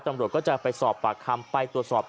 ตำรวจก็จะไปสอบปากคำไปตรวจสอบ